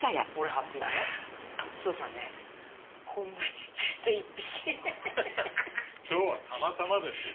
ハハ今日はたまたまですよ。